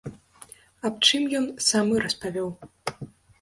Аб чым ён сам і распавёў.